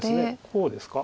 こうですか。